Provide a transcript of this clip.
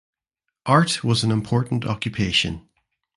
Art was an important occupation.